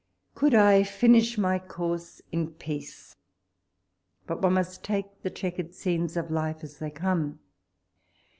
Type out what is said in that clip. Could I finish my course in peace— but one must take the chequered scenes of life as they come.